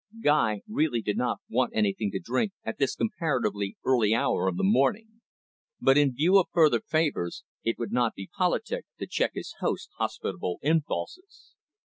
Guy really did not want anything to drink at this comparatively early hour of the morning. But, in view of further favours, it would not be politic to check his host's hospitable impulses.